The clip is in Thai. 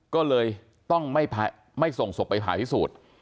ก็เลยต้องไม่ส่งศพไปผ่าพิสูจน์